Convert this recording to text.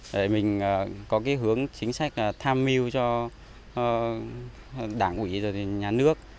để mình có cái hướng chính sách tham mưu cho đảng quỷ nhà nước